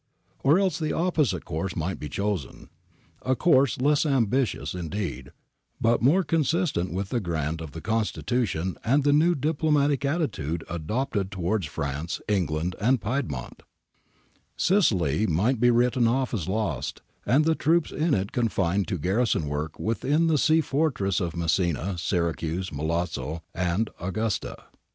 Or else the opposite course might be chosen, a course less ambitious indeed but more consis tent with the grant of the Constitution and the new diplo matic attitude adopted towards France, England, and Piedmont : Sicily might be written off as lost, and the troops in it confined to garrison work within the sea fortresses of Messina, Syracuse, Milazzo, and Augusta.